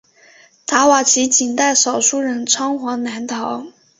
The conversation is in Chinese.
达瓦齐仅带少数人仓皇南逃。